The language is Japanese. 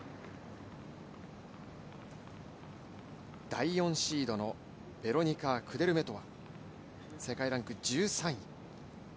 第４シードのベロニカ・クデルメトワ、世界ランク１３位。